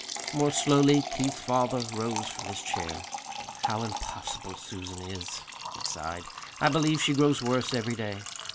More slowly Keith's father rose from his chair. "How impossible Susan is," he sighed. "I believe she grows worse every day.